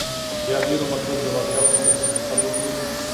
بيا ډېرو ملګرو لېوالتيا وښوده چې سفر وکړي.